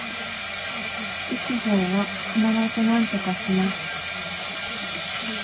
打つ方は必ずなんとかします